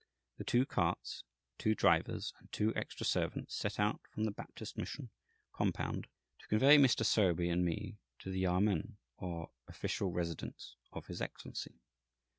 The two carts, two drivers, and two extra servants, set out from the Baptist Mission compound, to convey Mr. Sowerby and me to the Yâmen, or official residence, of His Excellency.